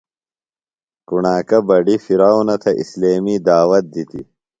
کُݨاکہ بڈیۡ فرعونہ تھےۡ اِسلیمی دعوت دِتیۡ۔